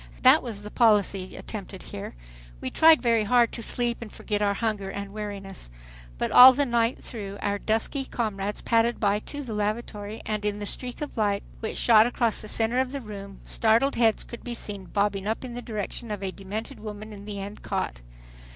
That was the policy attempted here. We tried very hard to sleep and forget our hunger and weariness. But all the night through our dusky comrades padded by to the lavatory, and in the streak of bright light which shot across the center of the room, startled heads could be seen bobbing up in the direction of a demented woman in the end cot.